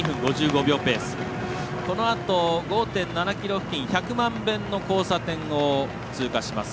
このあと５．７ｋｍ付近百万遍の交差点を通過します。